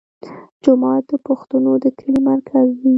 جومات د پښتنو د کلي مرکز وي.